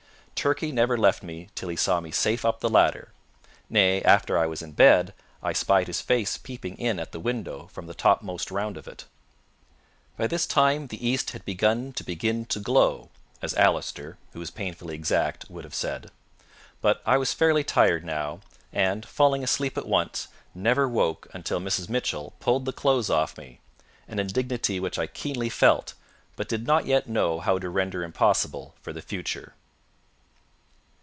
Turkey never left me till he saw me safe up the ladder; nay, after I was in bed, I spied his face peeping in at the window from the topmost round of it. By this time the east had begun to begin to glow, as Allister, who was painfully exact, would have said; but I was fairly tired now, and, falling asleep at once, never woke until Mrs. Mitchell pulled the clothes off me, an indignity which I keenly felt, but did not yet know how to render impossible for the future.